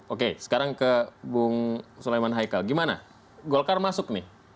oke sekarang ke bung sulaiman haikal gimana golkar masuk nih